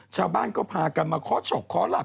ชาวบ้านก็พากันมาขอฉกขอหลับ